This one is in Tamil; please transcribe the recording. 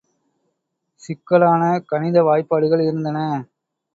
சிக்கலான கணித வாய்பாடுகள் இருந்தன.